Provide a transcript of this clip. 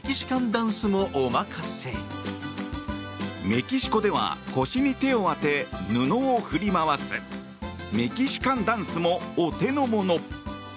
メキシコでは腰に手を当て布を振り回すメキシカンダンスもお手の物。